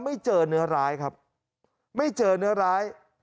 ไม่เจอเนื้อร้ายครับไม่เจอเนื้อร้าย